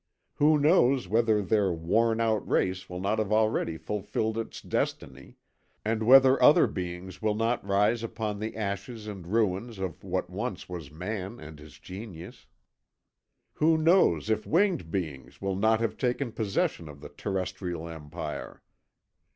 Who knows whether their worn out race will not have already fulfilled its destiny, and whether other beings will not rise upon the ashes and ruins of what once was man and his genius? Who knows if winged beings will not have taken possession of the terrestrial empire?